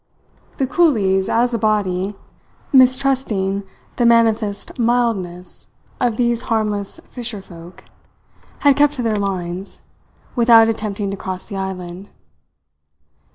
The coolies, as a body, mistrusting the manifest mildness of these harmless fisher folk, had kept to their lines, without attempting to cross the island.